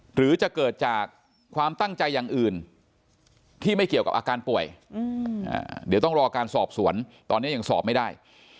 หรือจะเกิดจากความตั้งใจอย่างอื่นที่ไม่เกี่ยวกับอาการป่วยเดี๋ยวต้องรอการสอบสวนตอนนี้ยังสอบไม่ได้